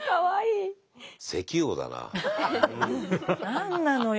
何なのよ